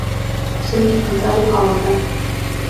Сөнки ҡыҙҙар юҡ ауылда...